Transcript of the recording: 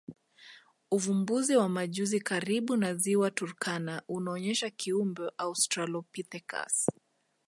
Uvumbuzi wa majuzi karibu na Ziwa Turkana unaonyesha kiumbe Australopithecus